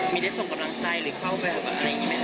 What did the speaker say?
มีได้ส่งกำลังใจหรือเข้าไปแบบอะไรอย่างนี้ไหมค